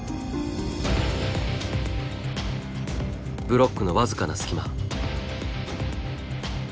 ブロックの僅かな隙間。